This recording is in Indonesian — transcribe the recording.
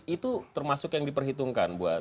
itu termasuk yang diperhitungkan buat